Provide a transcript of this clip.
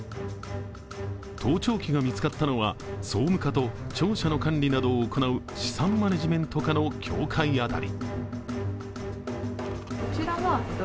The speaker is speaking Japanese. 盗聴器が見つかったのは総務課と庁舎の管理などを行う資産マネジメント課の境界辺り。